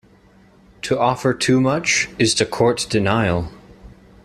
To offer too much, is to court denial.